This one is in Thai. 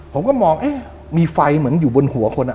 ผมก็มองเอ๊ะมีไฟเหมือนอยู่บนหัวคน